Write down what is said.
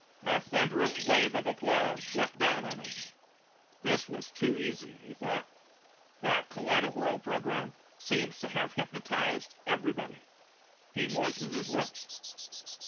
A thunderous wave of applause swept down on him. This is too easy, he thought. That kaleidowhirl program seems to have hypnotized everybody. He moistened his lips.